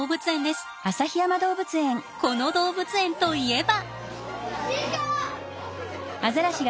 この動物園といえば。